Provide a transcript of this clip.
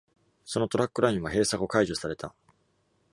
そのトラックラインは閉鎖後解除された。